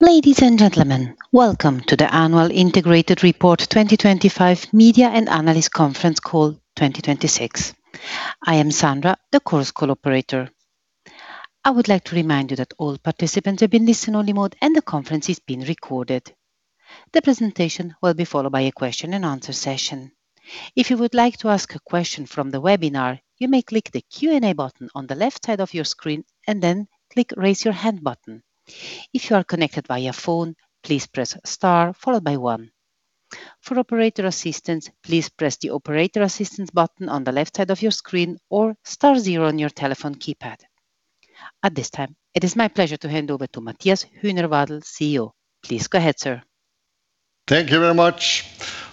Ladies and gentlemen, welcome to the Annual Integrated Report 2025 Media and Analyst Conference Call 2026. I am Sandra, the course call operator. I would like to remind you that all participants are in listen-only mode, and the conference is being recorded. The presentation will be followed by a question and answer session. If you would like to ask a question from the webinar, you may click the Q&A button on the left side of your screen, and then click Raise Your Hand button. If you are connected via phone, please press star followed by one. For operator assistance, please press the Operator Assistance button on the left side of your screen, or star zero on your telephone keypad. At this time, it is my pleasure to hand over to Matthias Huenerwadel, CEO. Please go ahead, sir. Thank you very much.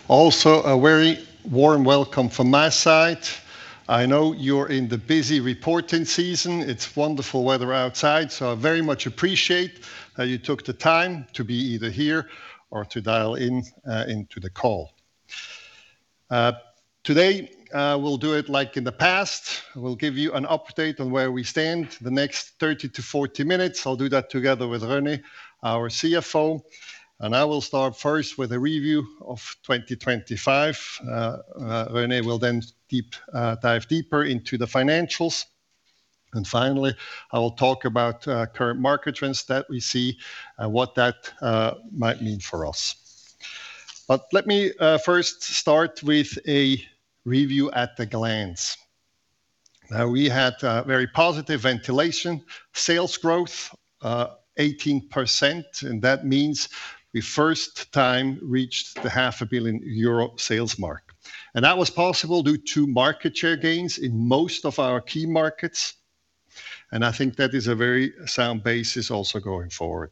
Also, a very warm welcome from my side. I know you're in the busy reporting season. It's wonderful weather outside. I very much appreciate that you took the time to be either here or to dial in into the call. Today, we'll do it like in the past. We'll give you an update on where we stand the next 30-40 minutes. I'll do that together with René, our CFO. I will start first with a review of 2025. René will then dive deeper into the financials. Finally, I will talk about current market trends that we see and what that might mean for us. Let me first start with a review at a glance. We had a very positive ventilation sales growth, 18%, and that means we first time reached the half a billion EUR sales mark. That was possible due to market share gains in most of our key markets. I think that is a very sound basis also going forward.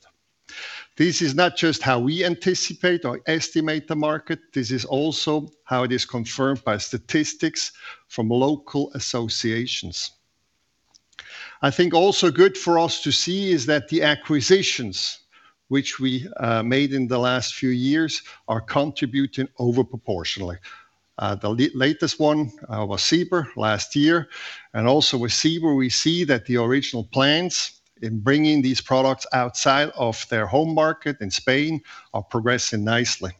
This is not just how we anticipate or estimate the market, this is also how it is confirmed by statistics from local associations. I think also good for us to see is that the acquisitions which we made in the last few years are contributing over proportionally. The latest one was Siber last year, and also with Siber, we see that the original plans in bringing these products outside of their home market in Spain are progressing nicely.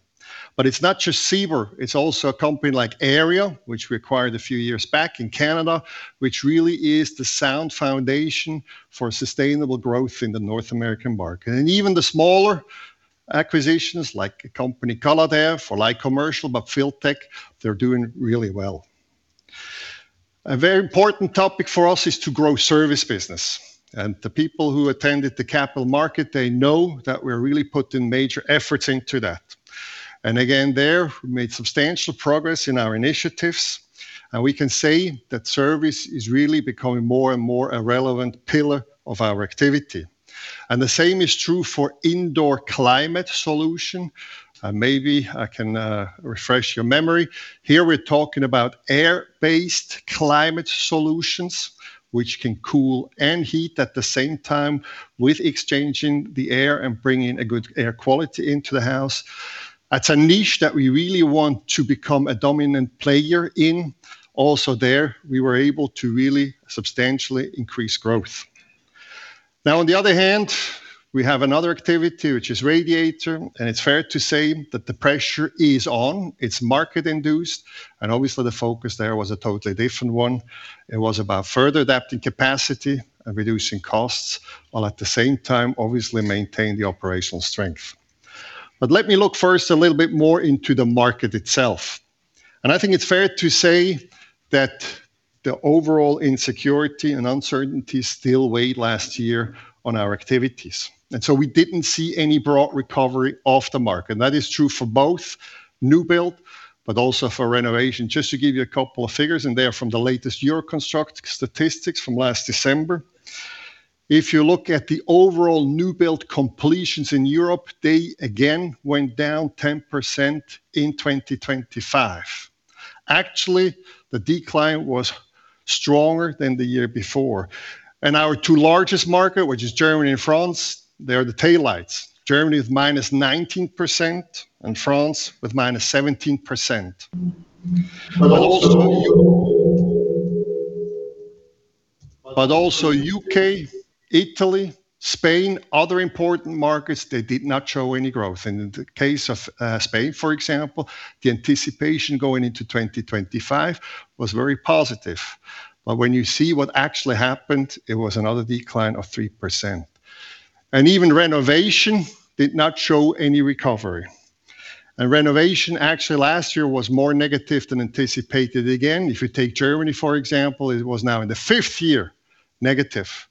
It's not just Siber, it's also a company like Airia, which we acquired a few years back in Canada, which really is the sound foundation for sustainable growth in the North American market. Even the smaller acquisitions like a company Caladair for like Commercial, but Filtech, they're doing really well. A very important topic for us is to grow service business, and the people who attended the capital market, they know that we're really putting major efforts into that. Again, there, we made substantial progress in our initiatives, and we can say that service is really becoming more and more a relevant pillar of our activity. The same is true for indoor climate solution. Maybe I can refresh your memory. Here, we're talking about air-based climate solutions, which can cool and heat at the same time with exchanging the air and bringing a good air quality into the house. That's a niche that we really want to become a dominant player in. There, we were able to really substantially increase growth. On the other hand, we have another activity, which is radiator, and it's fair to say that the pressure is on, it's market-induced, and obviously the focus there was a totally different one. It was about further adapting capacity and reducing costs, while at the same time, obviously maintain the operational strength. Let me look first a little bit more into the market itself. I think it's fair to say that the overall insecurity and uncertainty still weighed last year on our activities, and so we didn't see any broad recovery of the market. That is true for both new build, but also for renovation. Just to give you a couple of figures, and they are from the latest Euroconstruct statistics from last December. If you look at the overall new build completions in Europe, they again went down 10% in 2025. Actually, the decline was stronger than the year before. Our two largest market, which is Germany and France, they are the taillights. Germany with -19% and France with -17%. Also U.K., Italy, Spain, other important markets, they did not show any growth. In the case of Spain, for example, the anticipation going into 2025 was very positive. When you see what actually happened, it was another decline of 3%. Even renovation did not show any recovery. Renovation, actually, last year, was more negative than anticipated. Again, if you take Germany, for example, it was now in the fifth year, negative.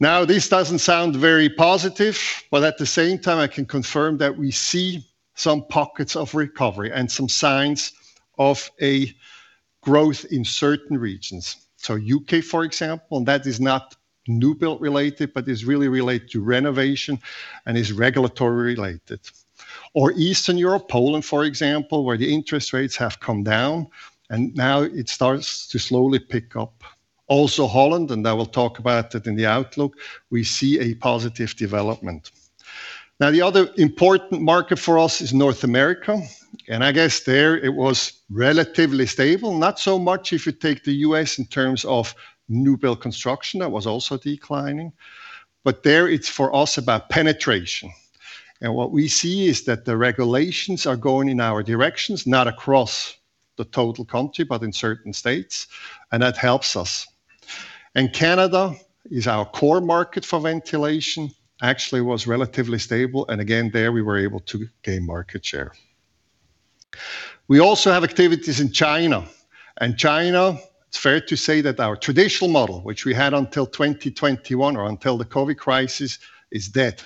This doesn't sound very positive, but at the same time, I can confirm that we see some pockets of recovery and some signs of a growth in certain regions. U.K., for example, and that is not new build related, but is really related to renovation and is regulatory related. Eastern Europe, Poland, for example, where the interest rates have come down and now it starts to slowly pick up. Also, Holland, and I will talk about it in the outlook, we see a positive development. The other important market for us is North America, and I guess there it was relatively stable. Not so much if you take the U.S. in terms of new build construction, that was also declining. There it's for us about penetration. What we see is that the regulations are going in our directions, not across the total country, but in certain states, and that helps us. Canada is our core market for ventilation, actually was relatively stable, and again, there we were able to gain market share. We also have activities in China. China, it's fair to say that our traditional model, which we had until 2021 or until the COVID crisis, is dead.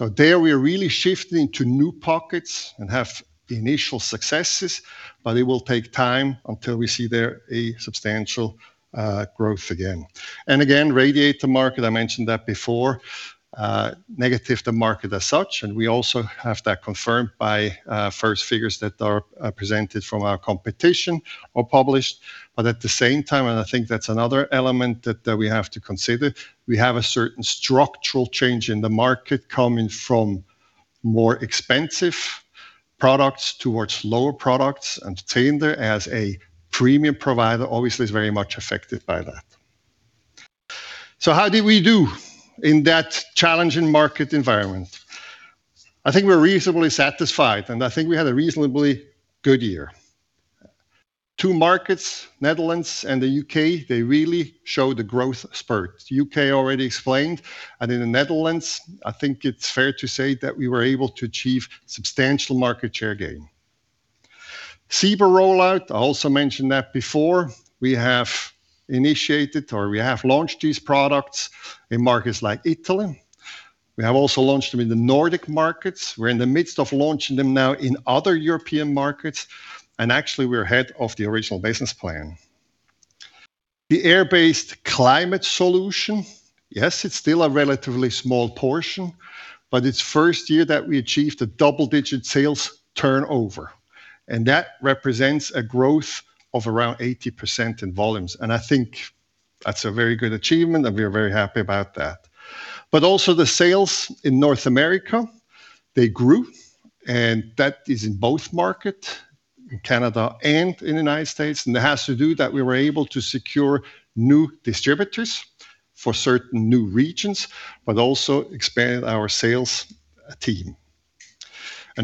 There we are really shifting to new pockets and have initial successes, but it will take time until we see there a substantial growth again. Again, radiator market, I mentioned that before, negative the market as such, and we also have that confirmed by first figures that are presented from our competition or published. At the same time, and I think that's another element that we have to consider, we have a certain structural change in the market coming from more expensive products towards lower products, and Zehnder as a premium provider, obviously is very much affected by that. How did we do in that challenging market environment? I think we're reasonably satisfied, and I think we had a reasonably good year. Two markets, Netherlands and the U.K., they really showed a growth spurt. U.K. already explained, and in the Netherlands, I think it's fair to say that we were able to achieve substantial market share gain. Siber rollout, I also mentioned that before. We have initiated, or we have launched these products in markets like Italy. We have also launched them in the Nordic markets. We're in the midst of launching them now in other European markets, and actually, we're ahead of the original business plan. The air-based Climate Solutions, yes, it's still a relatively small portion, but its first year that we achieved a double-digit sales turnover, and that represents a growth of around 80% in volumes, and I think that's a very good achievement, and we are very happy about that. Also the sales in North America, they grew, and that is in both market, in Canada and in the United States, and it has to do that we were able to secure new distributors for certain new regions, but also expand our sales team.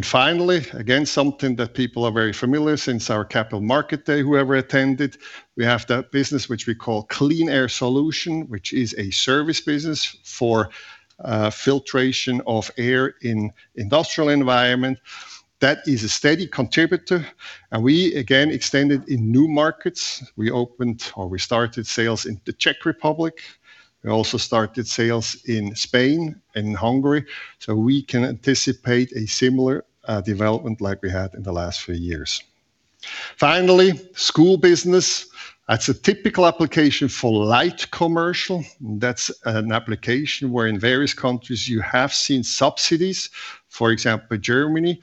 Finally, again, something that people are very familiar since our capital market day, whoever attended, we have that business which we call Clean Air Solutions, which is a service business for filtration of air in industrial environment. That is a steady contributor, and we again extended in new markets. We opened or we started sales in the Czech Republic. We also started sales in Spain and Hungary, we can anticipate a similar development like we had in the last few years. Finally, school business. That's a typical application for light commercial. That's an application where in various countries you have seen subsidies, for example, Germany.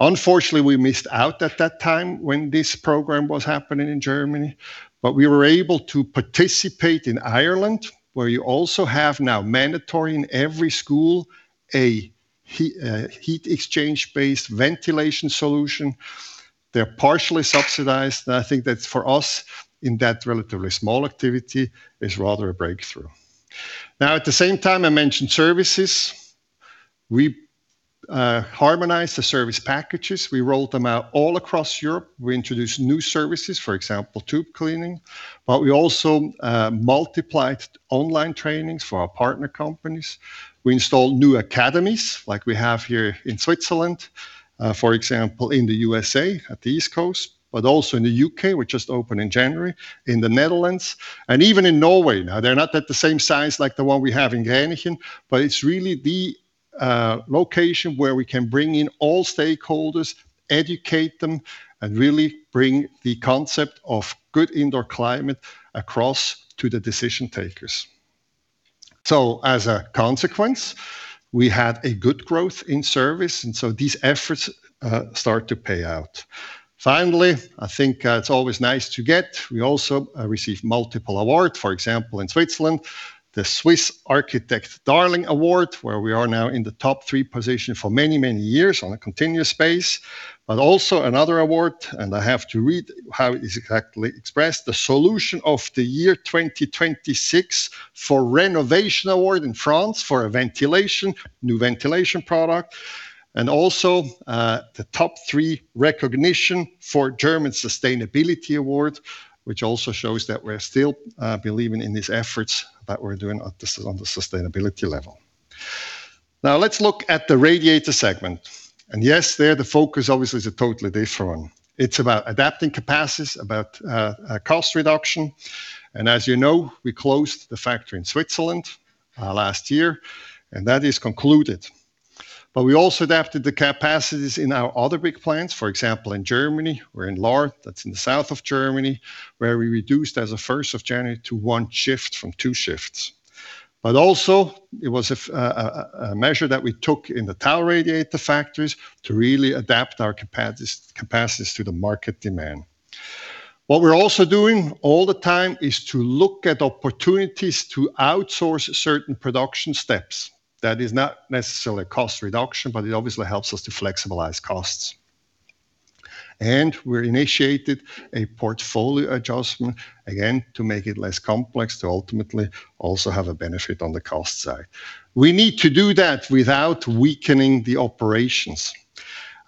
Unfortunately, we missed out at that time when this program was happening in Germany, we were able to participate in Ireland, where you also have now mandatory in every school, a heat exchange-based ventilation solution. They're partially subsidized. I think that's for us, in that relatively small activity, is rather a breakthrough. At the same time, I mentioned services. We harmonized the service packages. We rolled them out all across Europe. We introduced new services, for example, tube cleaning. We also multiplied online trainings for our partner companies. We installed new academies like we have here in Switzerland, for example, in the USA, at the East Coast. Also in the UK, which just opened in January, in the Netherlands, and even in Norway. They're not at the same size like the one we have in Gränichen. It's really the location where we can bring in all stakeholders, educate them, and really bring the concept of good indoor climate across to the decision-takers. As a consequence, we had a good growth in service, these efforts start to pay out. Finally, I think, we also received multiple awards. For example, in Switzerland, the Architects' Darling Swiss Edition, where we are now in the top three position for many, many years on a continuous base. Also another award, and I have to read how it is exactly expressed, the Solution of the Year 2026 for Renovation Award in France for a ventilation, new ventilation product. Also, the top 3 recognition for German Sustainability Award, which also shows that we're still believing in these efforts that we're doing on the sustainability level. Let's look at the radiator segment. Yes, there the focus obviously is a totally different one. It's about adapting capacities, about cost reduction. As you know, we closed the factory in Switzerland, last year, and that is concluded. We also adapted the capacities in our other big plants. For example, in Germany, we're in Lahr, that's in the south of Germany, where we reduced as of 1st of January to one shift from two shifts. Also, it was a measure that we took in the tower radiator factories to really adapt our capacities to the market demand. What we're also doing all the time is to look at opportunities to outsource certain production steps. That is not necessarily a cost reduction, but it obviously helps us to flexibilize costs. We initiated a portfolio adjustment, again, to make it less complex, to ultimately also have a benefit on the cost side. We need to do that without weakening the operations.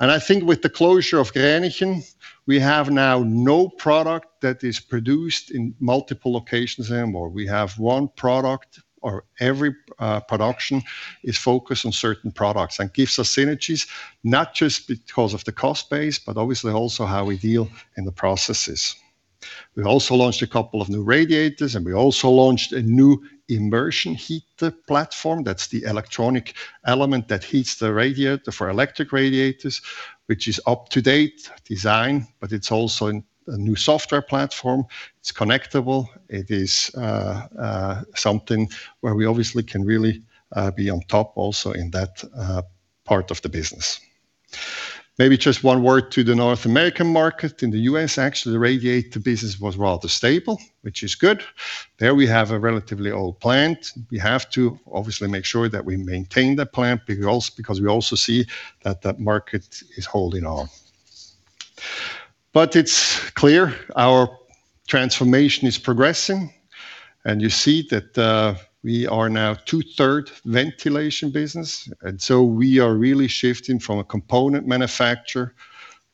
I think with the closure of Gränichen, we have now no product that is produced in multiple locations anymore. We have one product, or every production is focused on certain products and gives us synergies, not just because of the cost base, but obviously also how we deal in the processes. We also launched a couple of new radiators, and we also launched a new immersion heater platform. That's the electronic element that heats the radiator for electric radiators, which is up-to-date design, but it's also in a new software platform. It's connectable. It is something where we obviously can really be on top also in that part of the business. Maybe just one word to the North American market. In the U.S., actually, the radiator business was rather stable, which is good. There we have a relatively old plant. We have to obviously make sure that we maintain the plant, because we also see that that market is holding on. It's clear our transformation is progressing, and you see that we are now two-third ventilation business, and so we are really shifting from a component manufacturer,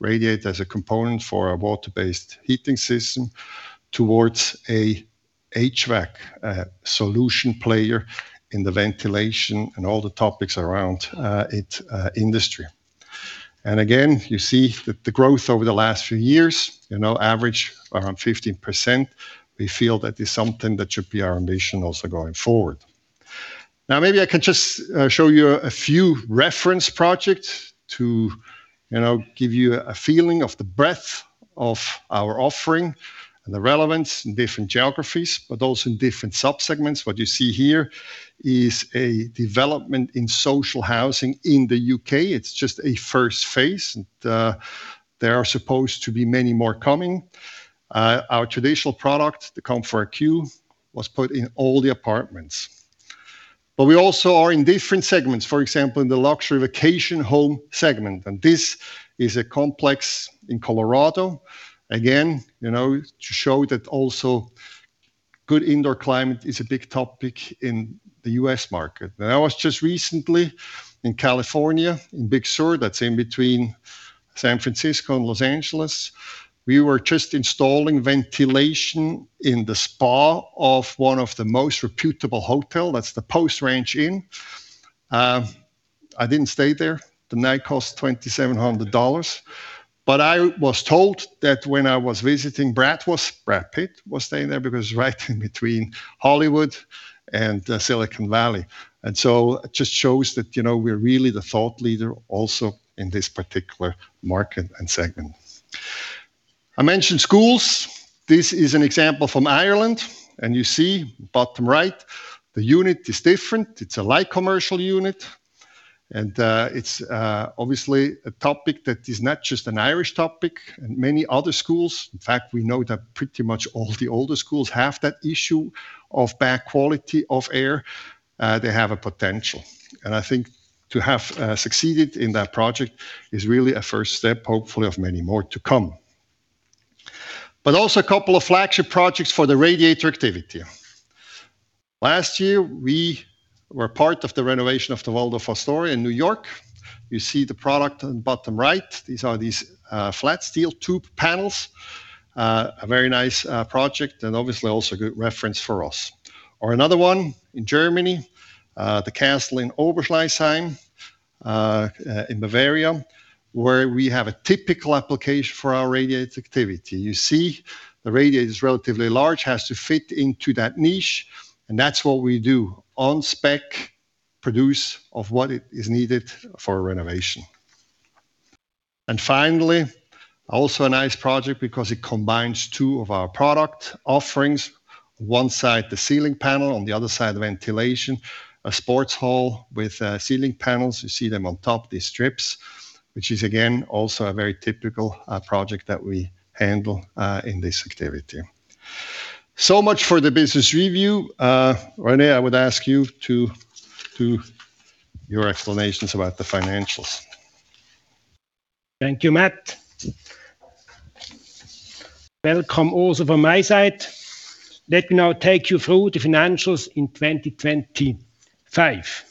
radiator as a component for a water-based heating system, towards a HVAC solution player in the ventilation and all the topics around it industry. Again, you see that the growth over the last few years, you know, average around 15%, we feel that is something that should be our ambition also going forward. Now, maybe I can just show you a few reference projects to, you know, give you a feeling of the breadth of our offering and the relevance in different geographies, but also in different subsegments. What you see here is a development in social housing in the UK. It's just a first phase, and there are supposed to be many more coming. Our traditional product, the ComfoAir Q, was put in all the apartments. We also are in different segments, for example, in the luxury vacation home segment, and this is a complex in Colorado. Again, you know, to show that also good indoor climate is a big topic in the US market. I was just recently in California, in Big Sur, that's in between San Francisco and Los Angeles. We were just installing ventilation in the spa of one of the most reputable hotel. That's the Post Ranch Inn. I didn't stay there. The night costs $2,700. I was told that when I was visiting, Brad Pitt, was staying there, because it's right in between Hollywood and Silicon Valley. It just shows that, you know, we're really the thought leader also in this particular market and segment. I mentioned schools. This is an example from Ireland, and you see, bottom right, the unit is different. It's a light commercial unit, it's obviously a topic that is not just an Irish topic, and many other schools... In fact, we know that pretty much all the older schools have that issue of bad quality of air. They have a potential, and I think to have succeeded in that project is really a first step, hopefully of many more to come. A couple of flagship projects for the radiator activity. Last year, we were part of the renovation of the Waldorf Astoria in New York. You see the product on the bottom right. These are these flat steel tube panels. A very nice project, and obviously also a good reference for us. In Germany, the castle in Oberschleißheim, in Bavaria, where we have a typical application for our radiator activity. You see, the radiator is relatively large, it has to fit into that niche, and that's what we do, on spec, produce of what is needed for a renovation. Also a nice project because it combines 2 of our product offerings. One side, the ceiling panel, on the other side, the ventilation. A sports hall with ceiling panels. You see them on top, these strips, which is again, also a very typical project that we handle in this activity. So much for the business review. René, I would ask you to do your explanations about the financials. Thank you, Matt. Welcome also from my side. Let me now take you through the financials in 2025.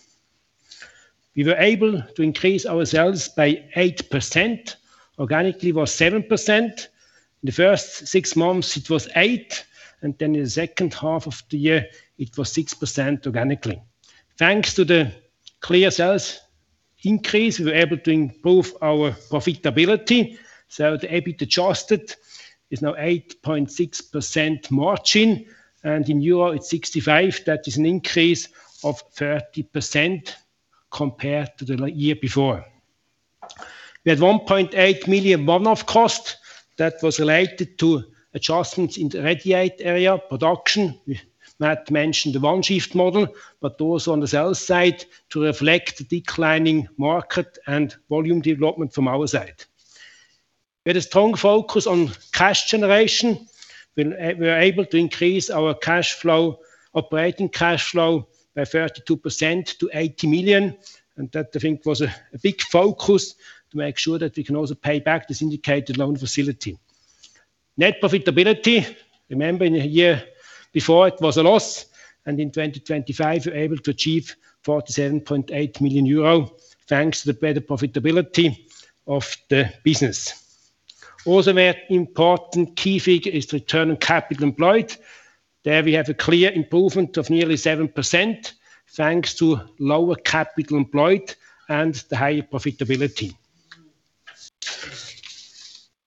We were able to increase our sales by 8%. Organically, it was 7%. In the first 6 months, it was 8%, and then in the second half of the year, it was 6% organically. Thanks to the clear sales increase, we were able to improve our profitability, so the EBIT adjusted is now 8.6% margin, and in EUR, it's 65 euro. That is an increase of 30% compared to the year before. We had 1.8 million one-off cost that was related to adjustments in the radiate area production. Matt mentioned the one shift model, but also on the sales side, to reflect the declining market and volume development from our side. We had a strong focus on cash generation. We were able to increase our cash flow, operating cash flow by 32% to 80 million. That, I think, was a big focus to make sure that we can also pay back the syndicated loan facility. Net profitability, remember, in the year before, it was a loss. In 2025, we were able to achieve 47.8 million euro, thanks to the better profitability of the business. Very important key figure is the Return on Capital Employed. There we have a clear improvement of nearly 7%, thanks to lower capital employed and the higher profitability.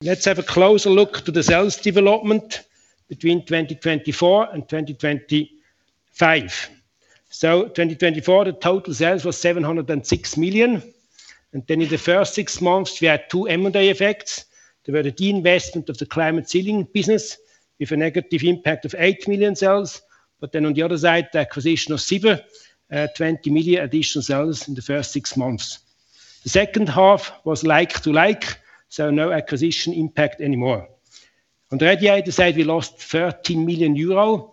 Let's have a closer look to the sales development between 2024 and 2025. 2024, the total sales was 706 million. In the first 6 months, we had two M&A effects. There were the disinvestment of the climate ceiling business, with a negative impact of 8 million sales. The acquisition of Siber, 20 million additional sales in the first six months. The second half was like to like, no acquisition impact anymore. On the radiator side, we lost 13 million euro.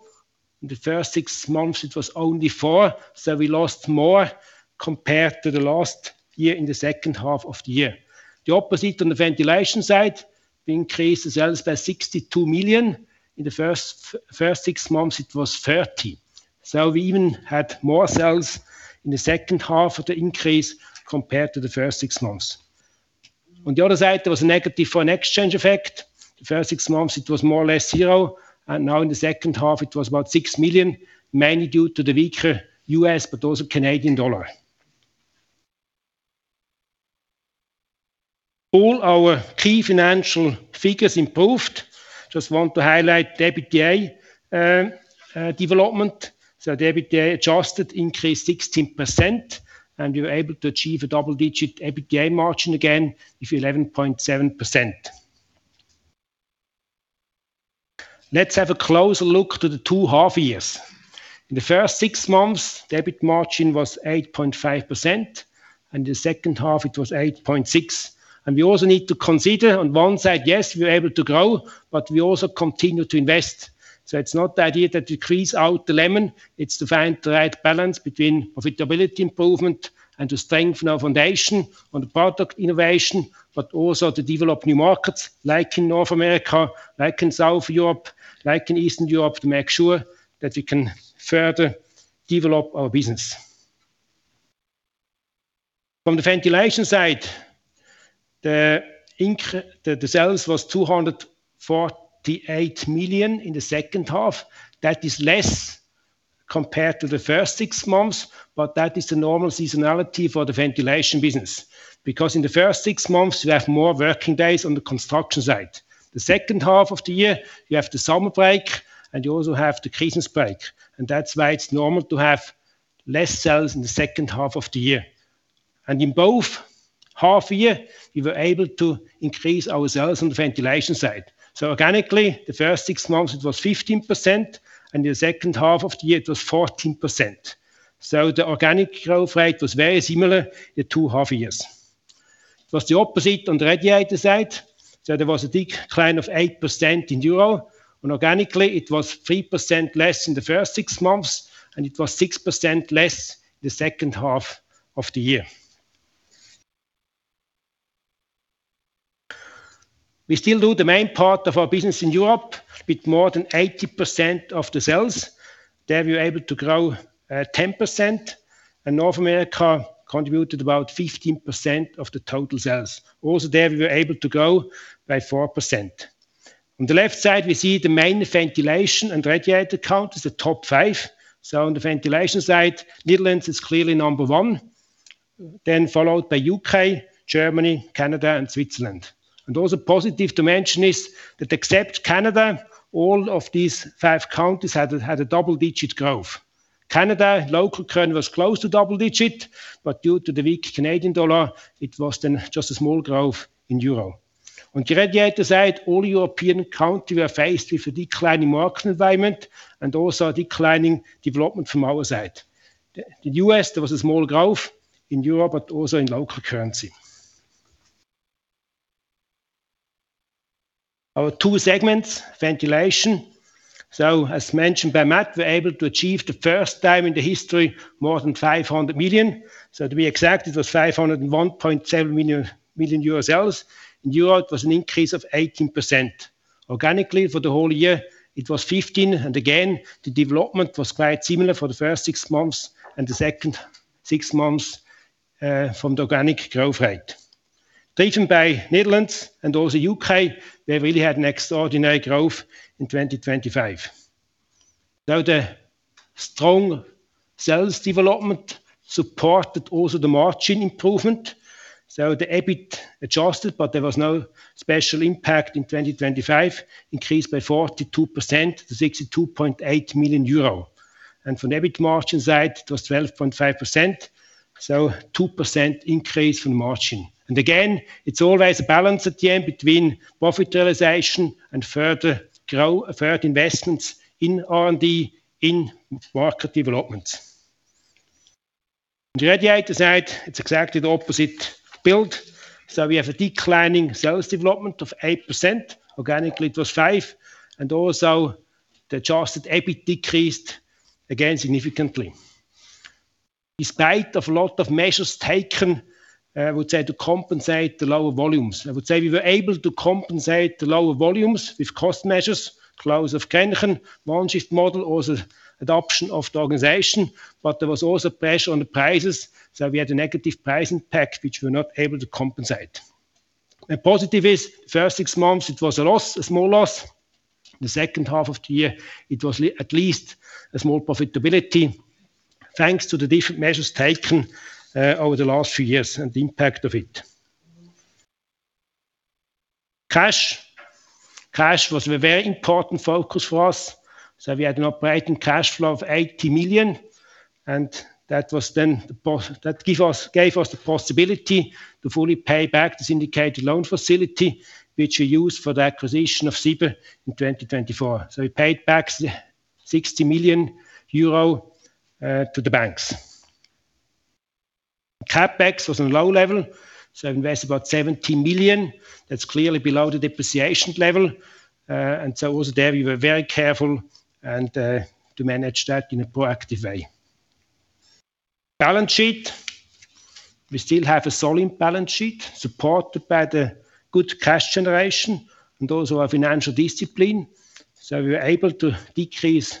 In the first six months, it was only 4 million, we lost more compared to the last year in the second half of the year. The opposite on the ventilation side, we increased the sales by 62 million. In the first six months, it was 30 million. We even had more sales in the second half of the increase compared to the first six months. There was a negative foreign exchange effect. The first six months, it was more or less zero. Now in the second half, it was about 6 million, mainly due to the weaker U.S., but also Canadian dollar. All our key financial figures improved. Just want to highlight the EBITDA development. The EBITDA adjusted increased 16%, and we were able to achieve a double-digit EBITDA margin again of 11.7%. Let's have a closer look to the two half years. In the first six months, the EBIT margin was 8.5%, and the second half it was 8.6%. We also need to consider, on one side, yes, we were able to grow, but we also continued to invest. It's not the idea to squeeze out the lemon, it's to find the right balance between profitability improvement and to strengthen our foundation on the product innovation, but also to develop new markets, like in North America, like in South Europe, like in Eastern Europe, to make sure that we can further develop our business. From the ventilation side, the sales was 248 million in the second half. That is less compared to the first six months, but that is the normal seasonality for the ventilation business. In the first six months, you have more working days on the construction side. The second half of the year, you have the summer break, and you also have the Christmas break, and that's why it's normal to have less sales in the second half of the year. In both half year, we were able to increase our sales on the ventilation side. Organically, the first six months, it was 15%, and the second half of the year, it was 14%. The organic growth rate was very similar, the two half years. It was the opposite on the radiator side. There was a decline of 8% in EUR, and organically, it was 3% less in the first six months, and it was 6% less in the second half of the year. We still do the main part of our business in Europe, with more than 80% of the sales. There, we were able to grow 10%, and North America contributed about 15% of the total sales. There, we were able to grow by 4%. On the left side, we see the main ventilation and radiator countries, the top five. On the ventilation side, Netherlands is clearly number one, followed by UK, Germany, Canada, and Switzerland. Also positive to mention is that except Canada, all of these five countries had a double-digit growth. Canada, local currency, was close to double-digit, due to the weak Canadian dollar, it was just a small growth in EUR. On the radiator side, all European countries were faced with a declining market environment and also a declining development from our side. The U.S., there was a small growth in Europe, also in local currency. Our two segments, ventilation. As mentioned by Matt, we're able to achieve the first time in the history, more than 500 million. To be exact, it was 501.7 million sales. In euro, it was an increase of 18%. Organically, for the whole year, it was 15%, and again, the development was quite similar for the first six months and the second six months from the organic growth rate. Driven by Netherlands and also UK, we really had an extraordinary growth in 2025. The strong sales development supported also the margin improvement, so the EBIT adjusted, but there was no special impact in 2025, increased by 42% to 62.8 million euro. From the EBIT margin side, it was 12.5%, so 2% increase from the margin. Again, it's always a balance at the end between profit realization and further investments in R&D, in market development. On the radiator side, it's exactly the opposite build. We have a declining sales development of 8%, organically it was 5%. Also the adjusted EBIT decreased again significantly. Despite of a lot of measures taken, I would say to compensate the lower volumes. I would say we were able to compensate the lower volumes with cost measures, close of Grenchen, one shift model, also adoption of the organization. There was also pressure on the prices, so we had a negative pricing pack, which we were not able to compensate. The positive is, first 6 months, it was a loss, a small loss. The second half of the year, it was at least a small profitability, thanks to the different measures taken over the last few years and the impact of it. Cash. Cash was a very important focus for us, we had an operating cash flow of 80 million, and that was then that gave us the possibility to fully pay back the syndicated loan facility, which we used for the acquisition of Siber in 2024. We paid back 60 million euro to the banks. CapEx was on a low level, invest about 17 million. That's clearly below the depreciation level, and also there we were very careful and to manage that in a proactive way. Balance sheet. We still have a solid balance sheet, supported by the good cash generation and also our financial discipline, we were able to decrease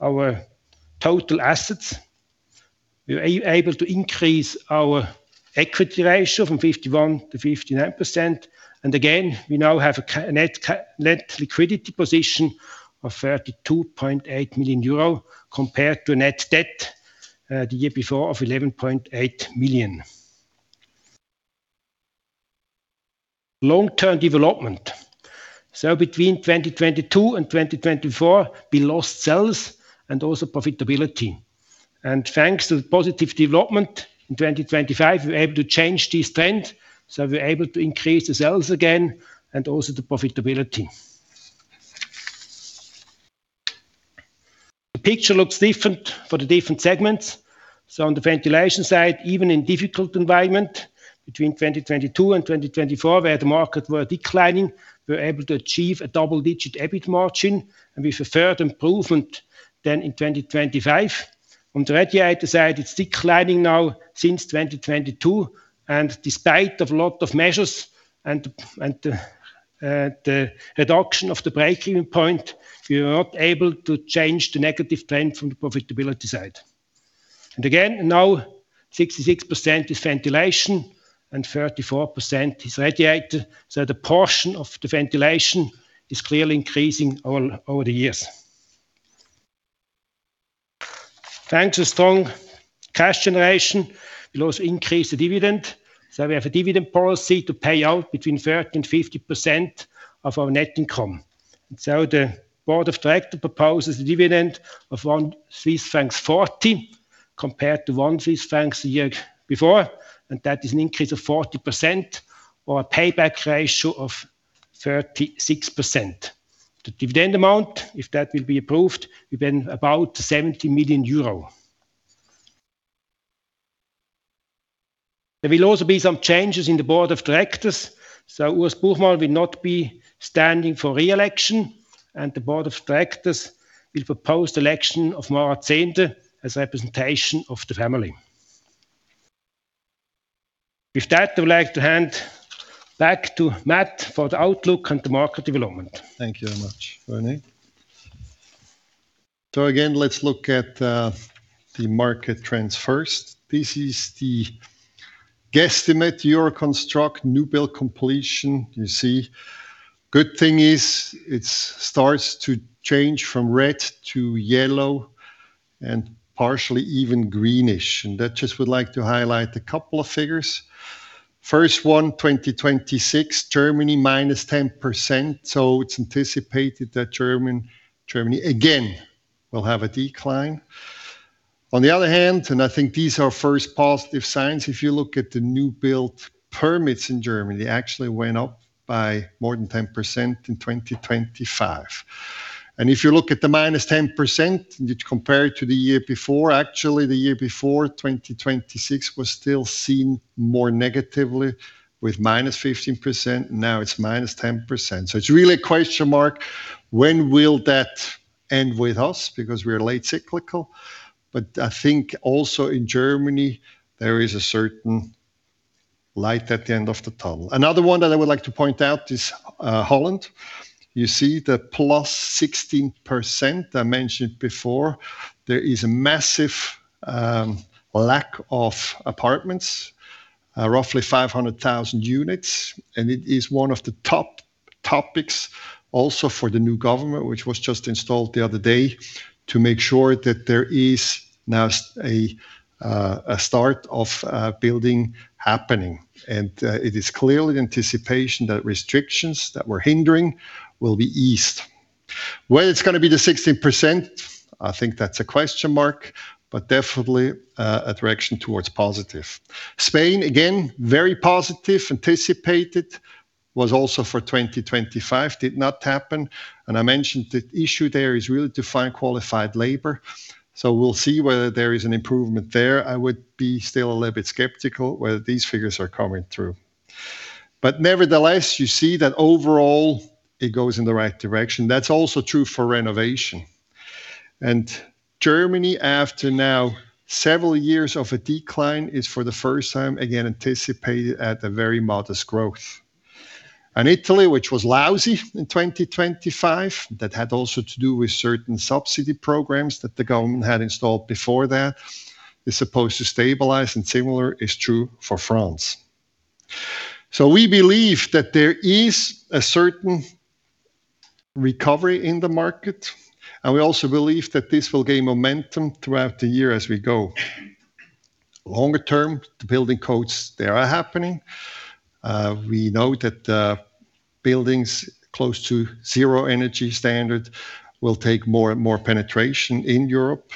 our total assets. We were able to increase our equity ratio from 51% to 59%, and again, we now have a net liquidity position of 32.8 million euro, compared to a net debt the year before of 11.8 million. Long-term development. Between 2022 and 2024, we lost sales and also profitability. Thanks to the positive development in 2025, we were able to change this trend, so we were able to increase the sales again and also the profitability. The picture looks different for the different segments, so on the ventilation side, even in difficult environment, between 2022 and 2024, where the market were declining, we were able to achieve a double-digit EBIT margin, and with a further improvement than in 2025. On the radiator side, it's declining now since 2022, and despite of a lot of measures and, the reduction of the break-even point, we were not able to change the negative trend from the profitability side. Again, now 66% is ventilation and 34% is radiator, so the portion of the ventilation is clearly increasing all over the years. Thanks to strong cash generation, we also increase the dividend. We have a dividend policy to pay out between 30% and 50% of our net income. The board of directors proposes a dividend of 1.40 Swiss francs, compared to 1 Swiss francs the year before, that is an increase of 40% or a payback ratio of 36%. The dividend amount, if that will be approved, will be about 70 million euro. There will also be some changes in the board of directors. Urs Buchmann will not be standing for re-election. The board of directors will propose the election of Milva Inderbitzin-Zehnder as representation of the family. I would like to hand back to Matt for the outlook and the market development. Thank you very much, René. Again, let's look at the market trends first. This is the guesstimate Euroconstruct new build completion, you see. Good thing is, it starts to change from red to yellow and partially even greenish, that just would like to highlight a couple of figures. First one, 2026, Germany, -10%, it's anticipated that Germany again, will have a decline. On the other hand, I think these are first positive signs, if you look at the new build permits in Germany, they actually went up by more than 10% in 2025. If you look at the -10%, and you compare it to the year before, actually, the year before, 2026, was still seen more negatively with -15%. Now it's -10%. It's really a question mark, when will that end with us? Because we are late cyclical, but I think also in Germany, there is a certain light at the end of the tunnel. Another one that I would like to point out is Holland. You see the plus 16% I mentioned before. There is a massive lack of apartments, roughly 500,000 units, and it is one of the top topics also for the new government, which was just installed the other day, to make sure that there is now a start of building happening. It is clearly the anticipation that restrictions that were hindering will be eased. Will it's gonna be the 16%? I think that's a question mark, but definitely, a direction towards positive.... Spain, very positive, anticipated, was also for 2025, did not happen. I mentioned the issue there is really to find qualified labor. We'll see whether there is an improvement there. I would be still a little bit skeptical whether these figures are coming through. Nevertheless, you see that overall it goes in the right direction. That's also true for renovation. Germany, after now several years of a decline, is for the first time again anticipated at a very modest growth. Italy, which was lousy in 2025, that had also to do with certain subsidy programs that the government had installed before that, is supposed to stabilize. Similar is true for France. We believe that there is a certain recovery in the market. We also believe that this will gain momentum throughout the year as we go. Longer term, the building codes, they are happening. We know that buildings close to zero energy standard will take more and more penetration in Europe.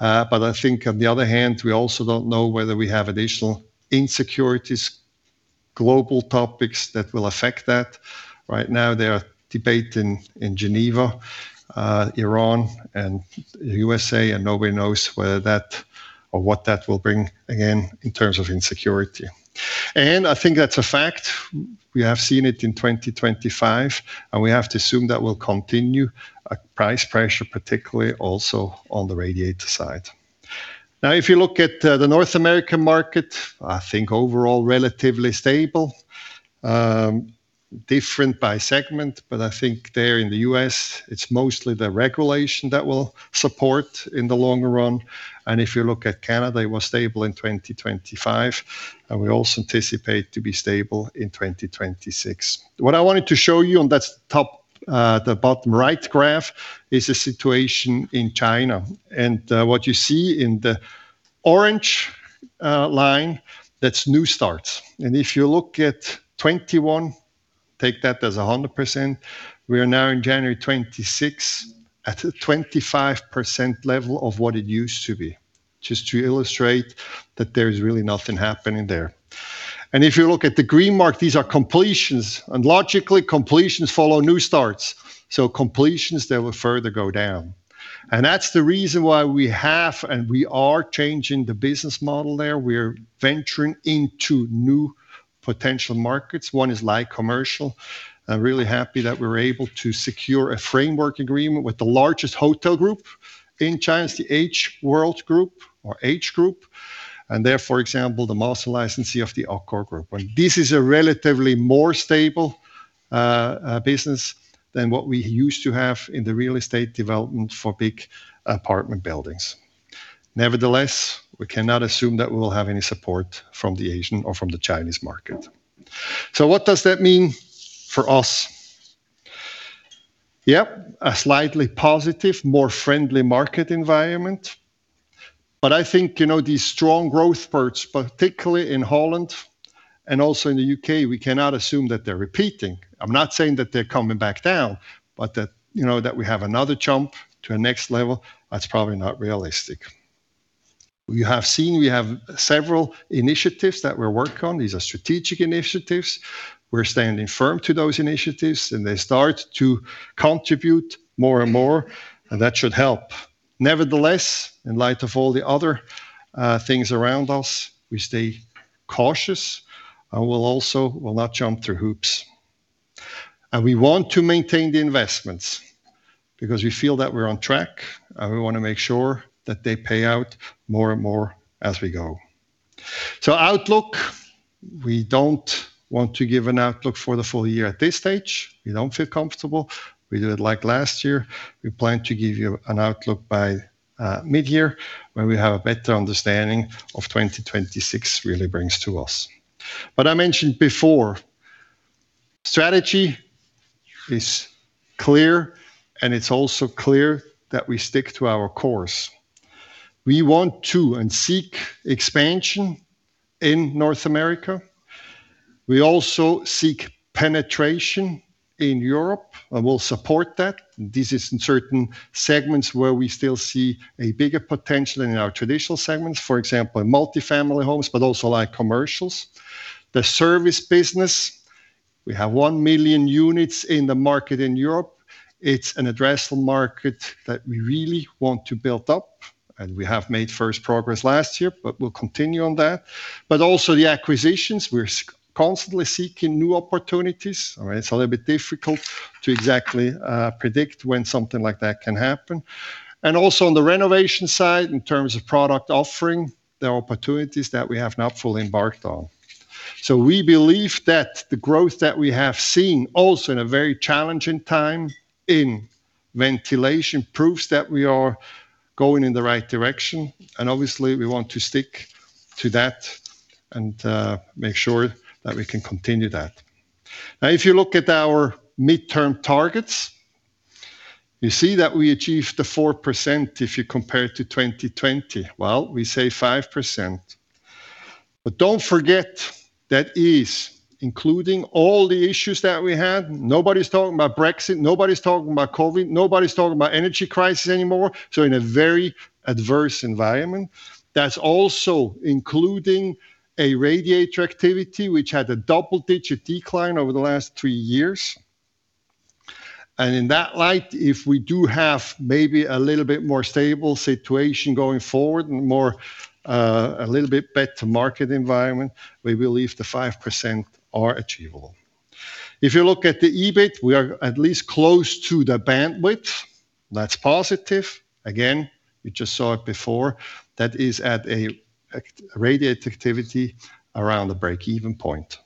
I think on the other hand, we also don't know whether we have additional insecurities, global topics that will affect that. Right now, there are debate in Geneva, Iran, and USA, and nobody knows whether that or what that will bring again in terms of insecurity. I think that's a fact. We have seen it in 2025, and we have to assume that will continue, price pressure, particularly also on the radiator side. If you look at the North American market, I think overall relatively stable. Different by segment, but I think there in the U.S., it's mostly the regulation that will support in the longer run. If you look at Canada, it was stable in 2025, and we also anticipate to be stable in 2026. What I wanted to show you on that top, the bottom right graph, is the situation in China. What you see in the orange line, that's new starts. If you look at 21, take that as a 100%, we are now in January 2026, at a 25% level of what it used to be, just to illustrate that there's really nothing happening there. If you look at the green mark, these are completions, and logically, completions follow new starts, so completions, they will further go down. That's the reason why we are changing the business model there. We're venturing into new potential markets. One is light commercial. I'm really happy that we were able to secure a framework agreement with the largest hotel group in China, it's the H World Group or H Group, and they're, for example, the master licensee of the Accor group. This is a relatively more stable business than what we used to have in the real estate development for big apartment buildings. Nevertheless, we cannot assume that we will have any support from the Asian or from the Chinese market. What does that mean for us? Yep, a slightly positive, more friendly market environment. I think, you know, these strong growth spurts, particularly in Holland and also in the UK, we cannot assume that they're repeating. I'm not saying that they're coming back down, but that, you know, that we have another jump to a next level, that's probably not realistic. We have seen, we have several initiatives that we're working on. These are strategic initiatives. We're standing firm to those initiatives, they start to contribute more and more, and that should help. Nevertheless, in light of all the other, things around us, we stay cautious, and we'll also will not jump through hoops. We want to maintain the investments because we feel that we're on track, and we want to make sure that they pay out more and more as we go. Outlook, we don't want to give an outlook for the full year at this stage. We don't feel comfortable. We did it like last year. We plan to give you an outlook by, mid-year, when we have a better understanding of 2026 really brings to us. I mentioned before, strategy is clear, and it's also clear that we stick to our course. We want to and seek expansion in North America. We also seek penetration in Europe, and we'll support that. This is in certain segments where we still see a bigger potential than in our traditional segments, for example, in multifamily homes, but also light commercial. The service business, we have 1 million units in the market in Europe. It's an addressable market that we really want to build up, and we have made first progress last year, but we'll continue on that. The acquisitions, we're constantly seeking new opportunities. All right, it's a little bit difficult to exactly predict when something like that can happen. Also on the renovation side, in terms of product offering, there are opportunities that we have not fully embarked on. We believe that the growth that we have seen, also in a very challenging time in ventilation, proves that we are going in the right direction, and obviously, we want to stick to that and make sure that we can continue that. Now, if you look at our midterm targets, you see that we achieved the 4% if you compare it to 2020. Well, we say 5%. That is including all the issues that we had. Nobody's talking about Brexit, nobody's talking about COVID, nobody's talking about energy crisis anymore. In a very adverse environment, that's also including a radiator activity, which had a double-digit decline over the last three years. In that light, if we do have maybe a little bit more stable situation going forward and more, a little bit better market environment, we believe the 5% are achievable. If you look at the EBIT, we are at least close to the bandwidth. That's positive. Again, you just saw it before. That is at a radiator activity around the breakeven point.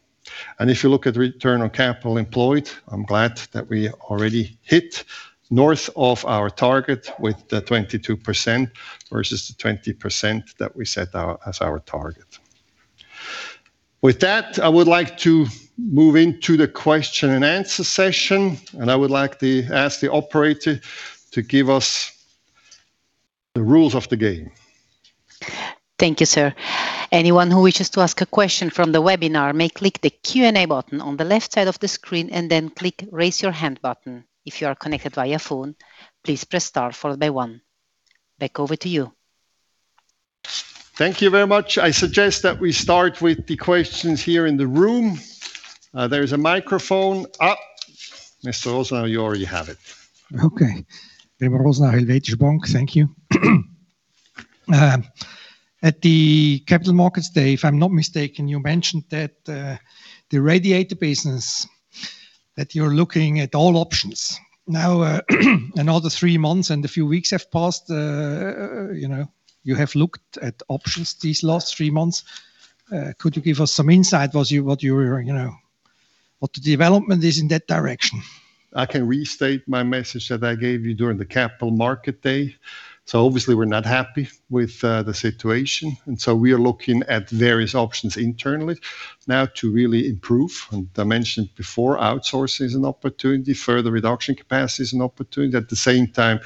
If you look at Return on Capital Employed, I'm glad that we already hit north of our target with the 22% versus the 20% that we set out as our target. With that, I would like to move into the question and answer session, and I would like to ask the operator to give us the rules of the game. Thank you, sir. Anyone who wishes to ask a question from the webinar may click the Q&A button on the left side of the screen, and then click Raise Your Hand button. If you are connected via phone, please press star followed by one. Back over to you. Thank you very much. I suggest that we start with the questions here in the room. There's a microphone. Mr. Rosner, you already have it. Okay. David Romer, Helvetische Bank. Thank you. At the Capital Markets Day, if I'm not mistaken, you mentioned that the radiator business, that you're looking at all options. Now, another three months and a few weeks have passed, you know, you have looked at options these last three months. Could you give us some insight, what you, what you were, you know, what the development is in that direction? I can restate my message that I gave you during the Capital Market Day. Obviously, we're not happy with the situation, we are looking at various options internally now to really improve. I mentioned before, outsourcing is an opportunity, further reduction capacity is an opportunity. At the same time,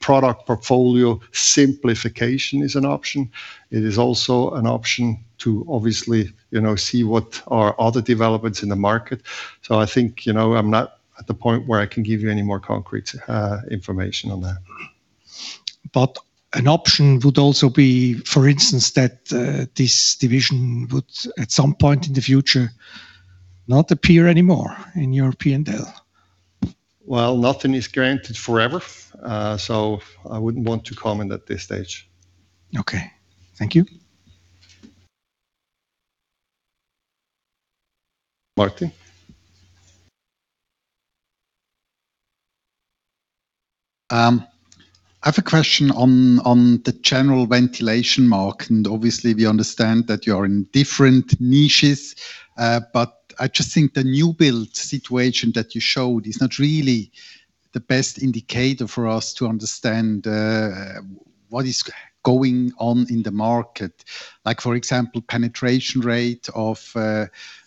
product portfolio simplification is an option. It is also an option to obviously, you know, see what are other developments in the market. I think, you know, I'm not at the point where I can give you any more concrete information on that. An option would also be, for instance, that this division would, at some point in the future, not appear anymore in European Dell. Nothing is granted forever, so I wouldn't want to comment at this stage. Okay. Thank you. Martin? I have a question on the general ventilation market. Obviously, we understand that you are in different niches, but I just think the new build situation that you showed is not really the best indicator for us to understand what is going on in the market. Like, for example, penetration rate of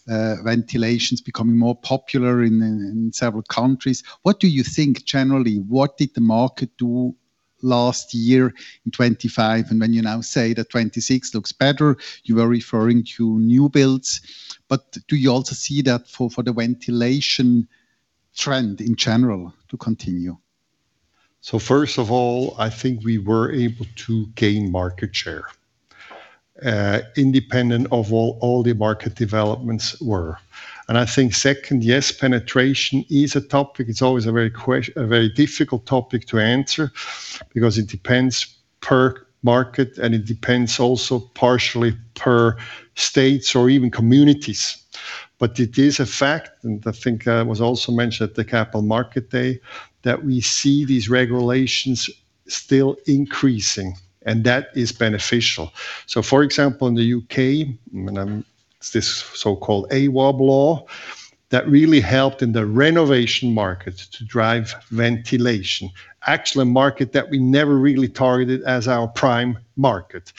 ventilations becoming more popular in several countries. What do you think generally, what did the market do last year in 2025? When you now say that 2026 looks better, you are referring to new builds. Do you also see that for the ventilation trend in general to continue? First of all, I think we were able to gain market share, independent of what all the market developments were. I think second, yes, penetration is a topic. It's always a very difficult topic to answer because it depends per market, and it depends also partially per states or even communities. It is a fact, and I think, it was also mentioned at the Capital Market Day, that we see these regulations still increasing, and that is beneficial. For example, in the U.K., and this so-called Awaab law, that really helped in the renovation market to drive ventilation. Actually, a market that we never really targeted as our prime market.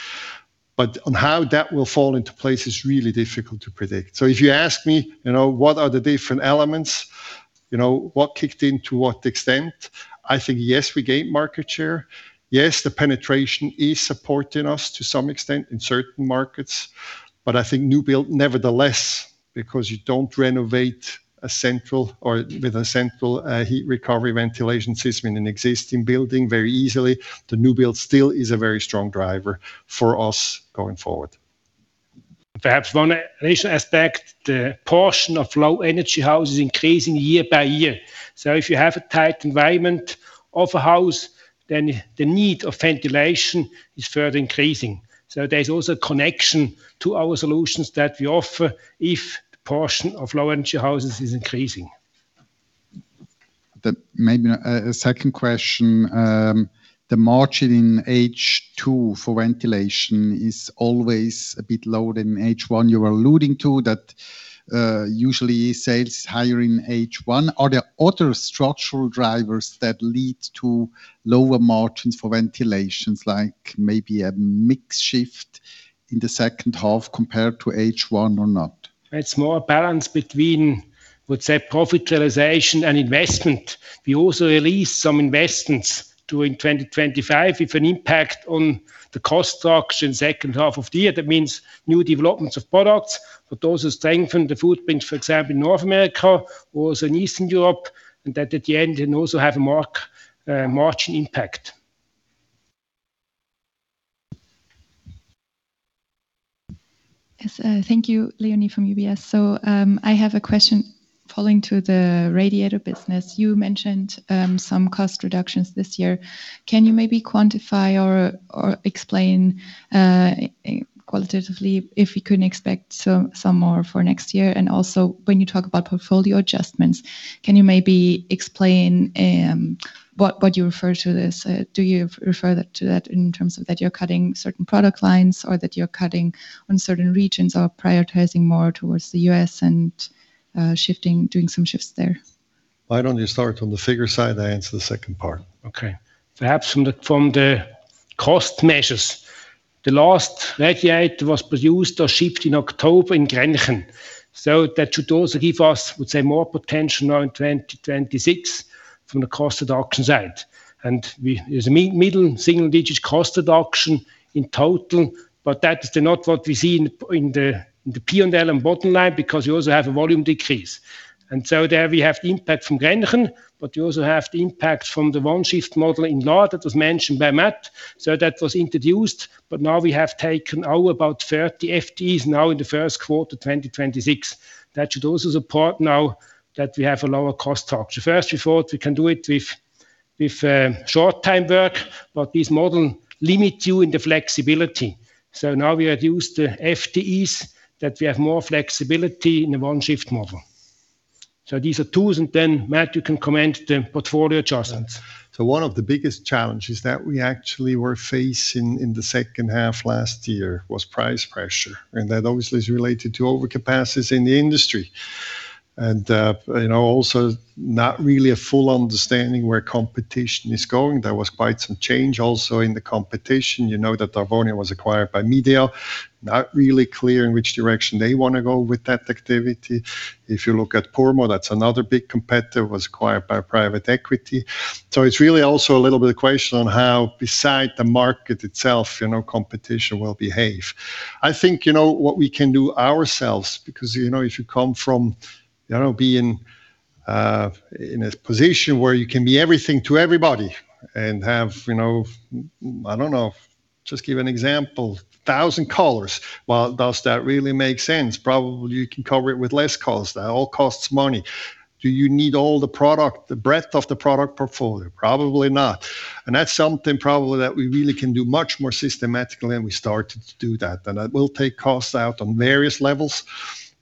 On how that will fall into place is really difficult to predict. If you ask me, you know, what are the different elements, you know, what kicked in to what extent? I think, yes, we gained market share. Yes, the penetration is supporting us to some extent in certain markets, but I think new build, nevertheless, because you don't renovate a central or with a central heat recovery ventilation system in an existing building very easily, the new build still is a very strong driver for us going forward. Perhaps one additional aspect, the portion of low energy house is increasing year by year. If you have a tight environment of a house, then the need of ventilation is further increasing. There's also a connection to our solutions that we offer if the portion of low energy houses is increasing. Maybe, a second question. The margin in H2 for ventilation is always a bit lower than H1. You were alluding to that, usually sales is higher in H1. Are there other structural drivers that lead to lower margins for ventilations, like maybe a mix shift in the second half compared to H1 or not? It's more a balance between, let's say, profit realization and investment. We also released some investments during 2025 with an impact on the cost structure in second half of the year. That means new developments of products, but also strengthen the footprint, for example, in North America, also in Eastern Europe. That at the end can also have a mark, margin impact. Yes, thank you. Leonie from UBS. I have a question following to the radiator business. You mentioned some cost reductions this year. Can you maybe quantify or explain qualitatively if we could expect some more for next year? When you talk about portfolio adjustments, can you maybe explain what you refer to this? Do you refer that to that in terms of that you're cutting certain product lines or that you're cutting on certain regions or prioritizing more towards the US and shifting, doing some shifts there? Why don't you start on the figure side, I answer the second part. Okay. Perhaps from the cost measures, the last radiator was produced or shipped in October in Gränichen. That should also give us, I would say, more potential now in 2026 from the cost reduction side. There's a middle single-digit cost reduction in total, but that is not what we see in the P&L and bottom line, because we also have a volume decrease. There we have the impact from Gränichen, but we also have the impact from the one shift model in Lorch that was mentioned by Matt. That was introduced, but now we have taken out about 30 FTEs now in the first quarter, 2026. That should also support now that we have a lower cost structure. First, we thought we can do it with short time work, but this model limits you in the flexibility. Now we have used the FTEs, that we have more flexibility in the 1 shift model. These are tools, and then, Matt, you can comment the portfolio adjustments. One of the biggest challenges that we actually were facing in the second half last year was price pressure, and that obviously is related to overcapacity in the industry. Also, you know, not really a full understanding where competition is going. There was quite some change also in the competition. You know that Arbonia was acquired by Midea. Not really clear in which direction they want to go with that activity. If you look at Purmo, that's another big competitor, was acquired by private equity. It's really also a little bit of question on how, besides the market itself, you know, competition will behave. I think, you know, what we can do ourselves, because, you know, if you come from, you know, being in a position where you can be everything to everybody and have, you know, I don't know, just give an example, 1,000 colors. Well, does that really make sense? Probably, you can cover it with less cost. That all costs money. Do you need all the product, the breadth of the product portfolio? Probably not. That's something probably that we really can do much more systematically, and we started to do that. That will take costs out on various levels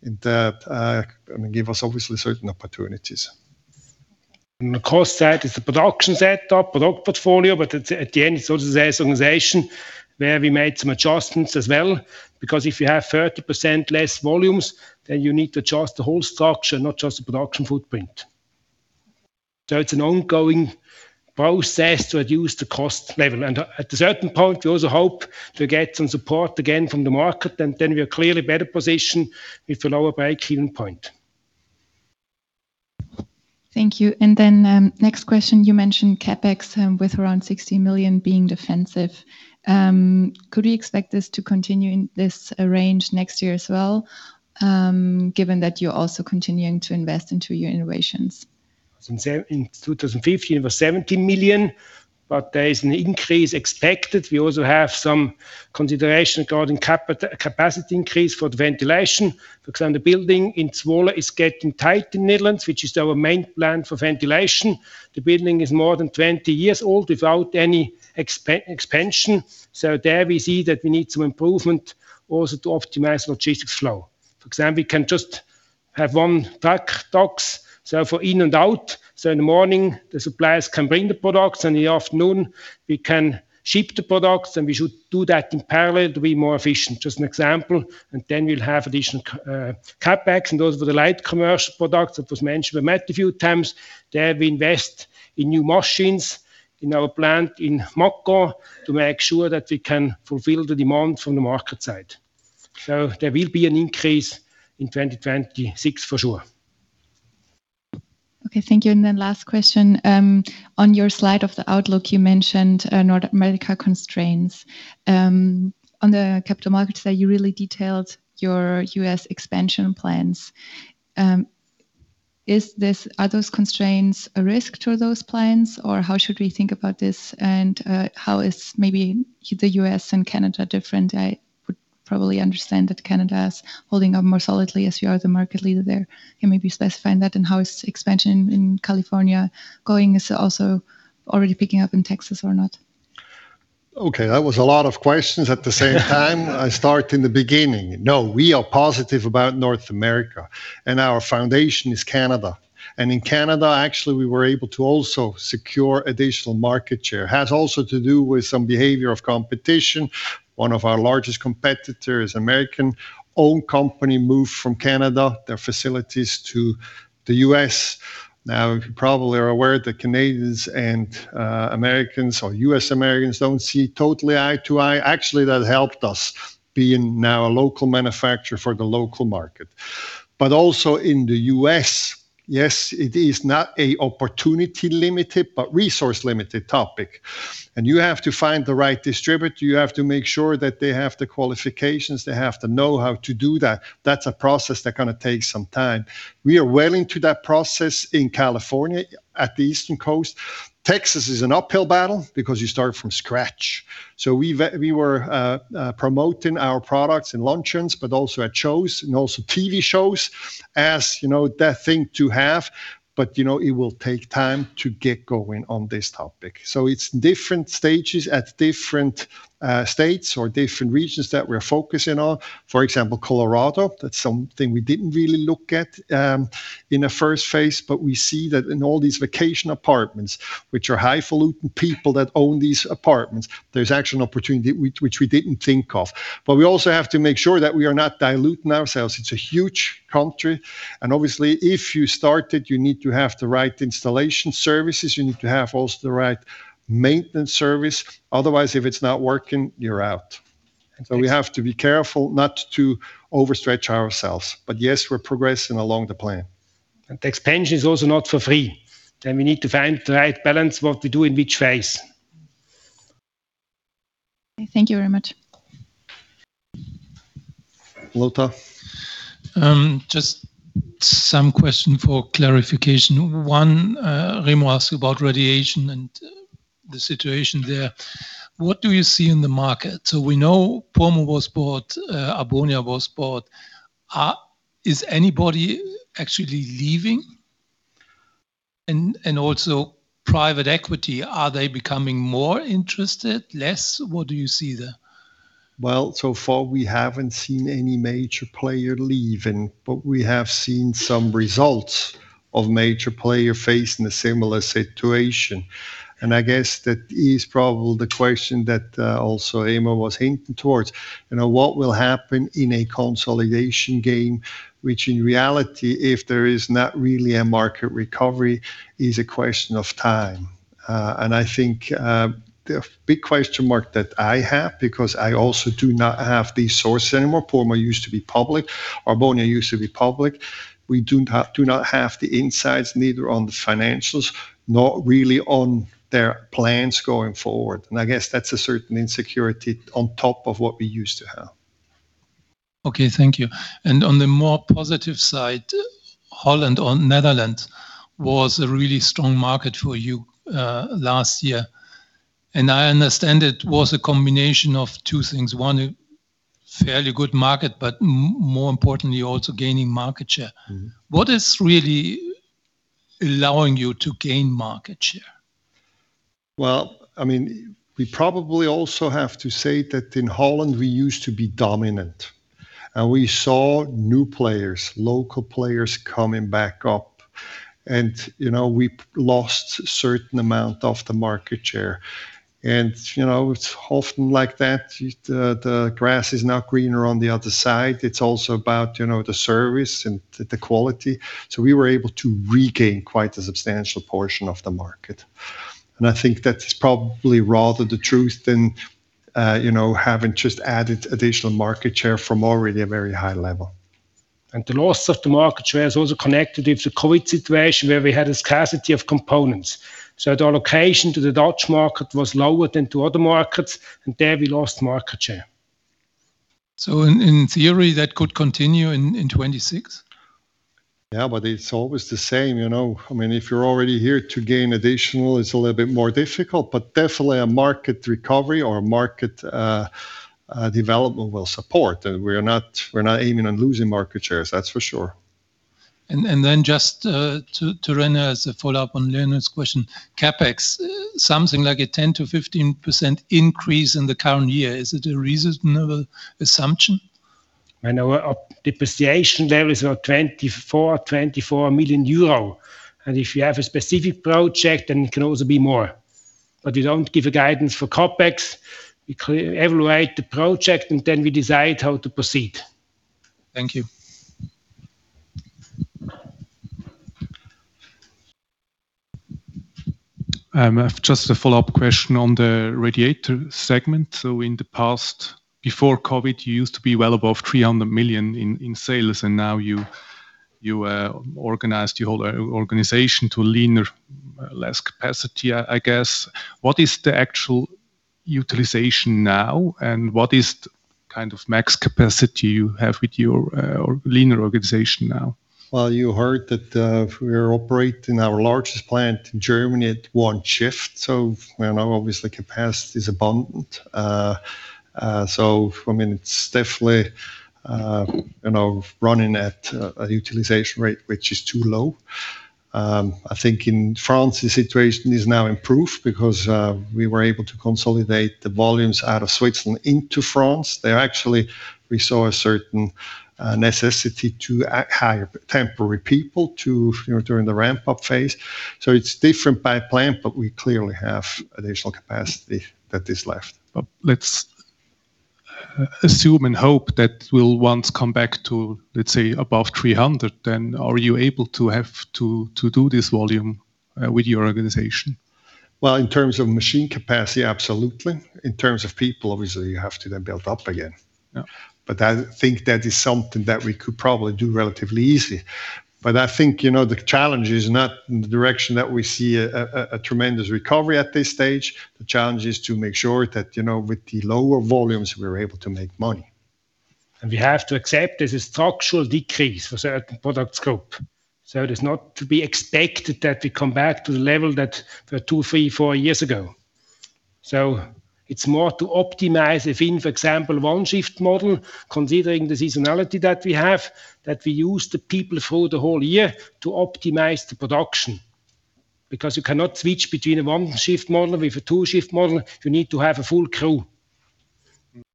and give us obviously certain opportunities. On the cost side, it's the production setup, product portfolio, but at the end, it's also the organization where we made some adjustments as well, because if you have 30% less volumes, then you need to adjust the whole structure, not just the production footprint. It's an ongoing process to reduce the cost level. At a certain point, we also hope to get some support again from the market, and then we are clearly better positioned with a lower break-even point. Thank you. Next question, you mentioned CapEx, with around 60 million being defensive. Could we expect this to continue in this range next year as well, given that you're also continuing to invest into your innovations? In 2015, it was 70 million. There is an increase expected. We also have some consideration regarding capacity increase for ventilation. For example, the building in Zwolle is getting tight in Netherlands, which is our main plant for ventilation. The building is more than 20 years old without any expansion. There we see that we need some improvement also to optimize logistics flow. For example, we can just have 1 truck docks, so for in and out. In the morning, the suppliers can bring the products, and in the afternoon, we can ship the products, and we should do that in parallel to be more efficient. Just an example. We'll have additional CapEx, and those were the light commercial products that was mentioned by Matt a few times. There we invest in new machines in our plant in Makó to make sure that we can fulfill the demand from the market side. There will be an increase in 2026, for sure. Okay, thank you. Last question. On your slide of the outlook, you mentioned North America constraints. On the capital market side, you really detailed your U.S. expansion plans. Are those constraints a risk to those plans, or how should we think about this? How is maybe the U.S. and Canada different? I would probably understand that Canada is holding up more solidly as you are the market leader there. Can maybe specify that. How is expansion in California going? Is it also already picking up in Texas or not? Okay, that was a lot of questions at the same time. I start in the beginning. No, we are positive about North America. Our foundation is Canada. In Canada, actually, we were able to also secure additional market share. Has also to do with some behavior of competition. One of our largest competitors, American-owned company, moved from Canada, their facilities to the U.S. Now, you probably are aware that Canadians and Americans or U.S. Americans don't see totally eye to eye. Actually, that helped us being now a local manufacturer for the local market. Also in the U.S., yes, it is not a opportunity-limited, but resource-limited topic, and you have to find the right distributor. You have to make sure that they have the qualifications. They have to know how to do that. That's a process that kind of takes some time. We are well into that process in California, at the eastern coast. Texas is an uphill battle because you start from scratch. We were promoting our products in luncheons, but also at shows and also TV shows as, you know, that thing to have. You know, it will take time to get going on this topic. It's different stages at different states or different regions that we're focusing on. For example, Colorado, that's something we didn't really look at in the first phase, but we see that in all these vacation apartments, which are highfalutin people that own these apartments, there's actually an opportunity which we didn't think of. We also have to make sure that we are not diluting ourselves. It's a huge country, and obviously, if you start it, you need to have the right installation services, you need to have also the right maintenance service. Otherwise, if it's not working, you're out. Yes. We have to be careful not to overstretch ourselves. Yes, we're progressing along the plan. The expansion is also not for free, and we need to find the right balance, what we do in which phase. Thank you very much. Lota? Just some question for clarification. One, Remo asked about radiation and the situation there. What do you see in the market? We know Purmo was bought, Arbonia was bought. Is anybody actually leaving? Also private equity, are they becoming more interested, less? What do you see there? Well, so far we haven't seen any major player leaving, but we have seen some results of major player facing a similar situation. I guess that is probably the question that also Rene was hinting towards. You know, what will happen in a consolidation game, which in reality, if there is not really a market recovery, is a question of time. I think the big question mark that I have, because I also do not have these sources anymore, Purmo used to be public, Arbonia used to be public. We do not have the insights, neither on the financials, nor really on their plans going forward, and I guess that's a certain insecurity on top of what we used to have. Okay, thank you. On the more positive side, Holland or Netherlands was a really strong market for you, last year. I understand it was a combination of two things: one, a fairly good market, but more importantly, also gaining market share. Mm-hmm. What is really allowing you to gain market share? Well, I mean, we probably also have to say that in Holland we used to be dominant, and we saw new players, local players coming back up and, you know, we lost a certain amount of the market share. You know, it's often like that, the grass is now greener on the other side. It's also about, you know, the service and the quality. We were able to regain quite a substantial portion of the market. I think that is probably rather the truth than, you know, having just added additional market share from already a very high level. The loss of the market share is also connected with the COVID situation, where we had a scarcity of components. The allocation to the Dutch market was lower than to other markets, and there we lost market share. In theory, that could continue in 2026? Yeah, it's always the same, you know. I mean, if you're already here to gain additional, it's a little bit more difficult, but definitely a market recovery or a market development will support. We're not aiming on losing market shares, that's for sure. Then just to run as a follow-up on Leonard's question, CapEx, something like a 10%-15% increase in the current year, is it a reasonable assumption? I know our depreciation level is 24 million euro, and if you have a specific project, then it can also be more. We don't give a guidance for CapEx. We evaluate the project, and then we decide how to proceed. Thank you. I've just a follow-up question on the radiator segment. In the past, before COVID, you used to be well above 300 million in sales, and now you organized your whole organization to leaner, less capacity, I guess. What is the actual utilization now, and what is the kind of max capacity you have with your leaner organization now? Well, you heard that we are operating our largest plant in Germany at 1 shift, you know, obviously capacity is abundant. I mean, it's definitely, you know, running at a utilization rate which is too low. I think in France, the situation is now improved because we were able to consolidate the volumes out of Switzerland into France. There, actually, we saw a certain necessity to hire temporary people to, you know, during the ramp-up phase. It's different by plant, but we clearly have additional capacity that is left. Let's assume and hope that we'll once come back to, let's say, above 300, then are you able to have to do this volume, with your organization? Well, in terms of machine capacity, absolutely. In terms of people, obviously, you have to then build up again. Yeah. I think that is something that we could probably do relatively easy. I think, you know, the challenge is not in the direction that we see a tremendous recovery at this stage. The challenge is to make sure that, you know, with the lower volumes, we're able to make money. We have to accept there's a structural decrease for certain product scope. It is not to be expected that we come back to the level that were two, three, four years ago. It's more to optimize if, in, for example, one shift model, considering the seasonality that we have, that we use the people through the whole year to optimize the production. Because you cannot switch between a one shift model with a two shift model, you need to have a full crew.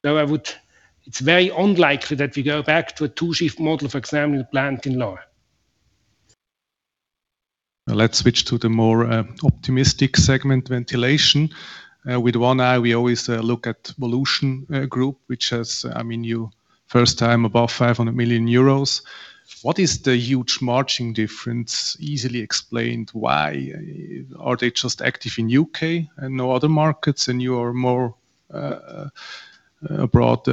It's very unlikely that we go back to a two shift model, for example, plant in Lahr. Let's switch to the more optimistic segment, ventilation. With one eye, we always look at Volution Group, which has, I mean, you first time above 500 million euros. What is the huge margin difference easily explained? Why are they just active in U.K. and no other markets, and you are more abroad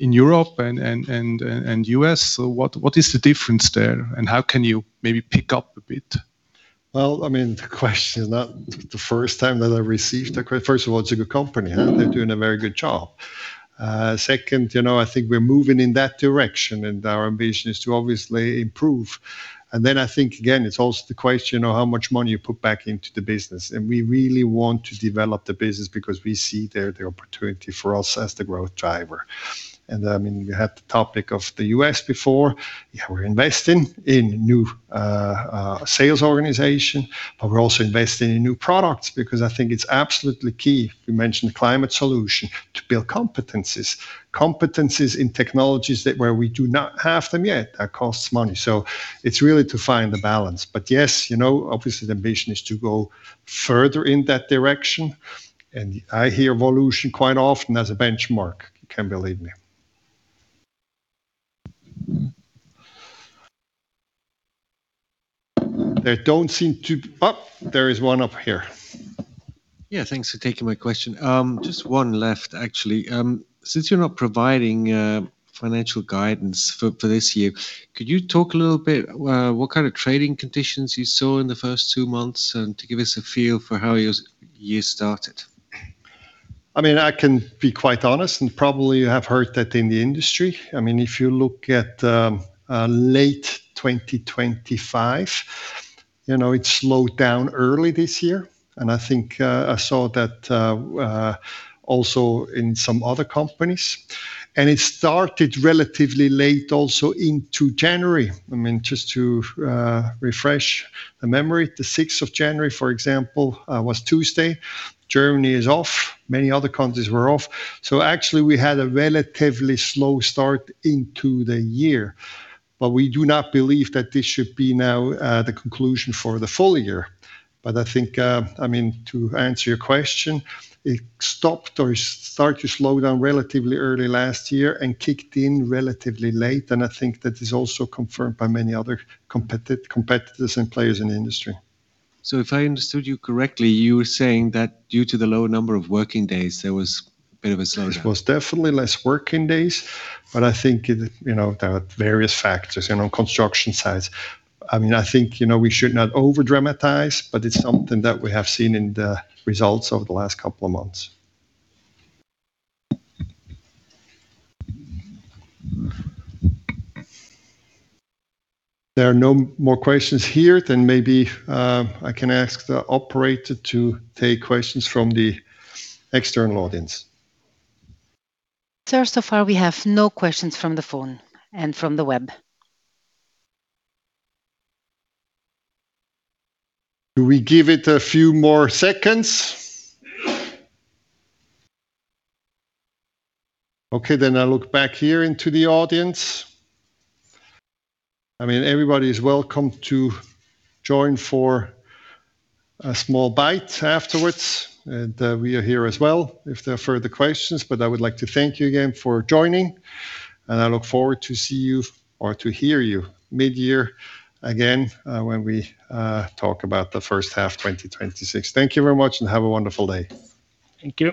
in Europe and U.S.? What is the difference there, and how can you maybe pick up a bit? Well, I mean, the question is not the first time that I received a First of all, it's a good company, huh? They're doing a very good job. Second, you know, I think we're moving in that direction, and our ambition is to obviously improve. I think, again, it's also the question of how much money you put back into the business, and we really want to develop the business because we see there the opportunity for us as the growth driver. I mean, we had the topic of the U.S. before. Yeah, we're investing in new sales organization, but we're also investing in new products because I think it's absolutely key, we mentioned climate solution, to build competencies. Competencies in technologies that where we do not have them yet, that costs money. It's really to find the balance. Yes, you know, obviously the ambition is to go further in that direction. I hear Volution quite often as a benchmark. You can believe me. There don't seem to. Oh, there is one up here. Yeah, thanks for taking my question. Just one left, actually. Since you're not providing financial guidance for this year, could you talk a little bit what kind of trading conditions you saw in the first two months, and to give us a feel for how your year started? I mean, I can be quite honest, probably you have heard that in the industry. I mean, if you look at late 2025, you know, it slowed down early this year, I think I saw that also in some other companies. It started relatively late also into January. I mean, just to refresh the memory, the sixth of January, for example, was Tuesday. Germany is off. Many other countries were off. Actually, we had a relatively slow start into the year. We do not believe that this should be now the conclusion for the full year. I think, I mean, to answer your question, it stopped or it started to slow down relatively early last year and kicked in relatively late, and I think that is also confirmed by many other competitors and players in the industry. If I understood you correctly, you were saying that due to the low number of working days, there was a bit of a slowdown? It was definitely less working days, but I think it, you know, there are various factors, you know, construction sites. I mean, I think, you know, we should not over-dramatize, but it's something that we have seen in the results over the last couple of months. There are no more questions here, then maybe, I can ask the operator to take questions from the external audience. Sir, so far, we have no questions from the phone and from the web. Do we give it a few more seconds? Okay, I look back here into the audience. I mean, everybody is welcome to join for a small bite afterwards. We are here as well if there are further questions. I would like to thank you again for joining. I look forward to see you or to hear you mid-year again when we talk about the first half 2026. Thank you very much. Have a wonderful day. Thank you.